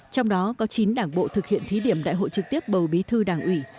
trong đó có chín đảng bộ thực hiện thí điểm đại hội trực tiếp bầu bí thư đảng ủy